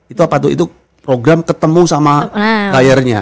itu apa tuh itu program ketemu sama layernya